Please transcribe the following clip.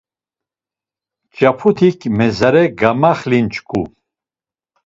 Mç̌aputik mezare gamaxlinç̌ǩu.